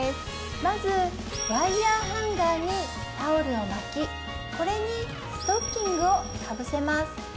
まずワイヤーハンガーにタオルを巻きこれにストッキングをかぶせます